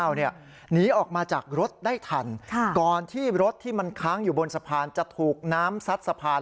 หนีออกมาจากรถได้ทันก่อนที่รถที่มันค้างอยู่บนสะพานจะถูกน้ำซัดสะพาน